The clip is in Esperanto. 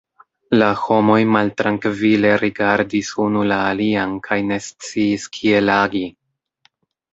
La homoj maltrankvile rigardis unu la alian kaj ne sciis kiel agi.